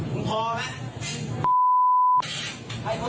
มึงพอมั้ย